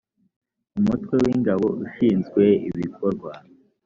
umutwe w ingabo ushinzwe ibikorwa